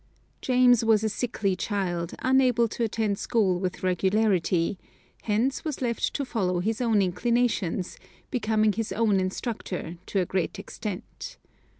James was a sickly child, unable to attend school with regularity, hence was left to follow his own inclinations; becoming his own instructor, to a great extent.